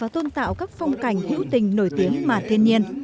tôn tạo các phong cảnh hữu tình nổi tiếng mà thiên nhiên